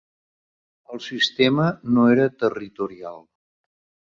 El sistema no era territorial.